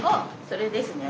それですね。